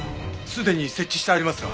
すでに設置してありますが。